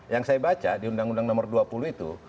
yang saya baca di undang undang nomor dua puluh itu